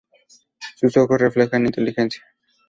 Sus ojos reflejan inteligencia.